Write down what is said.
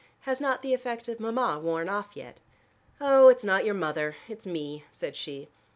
Has not the effect of Mama worn off yet?" "Oh, it's not your mother, it's me," said she.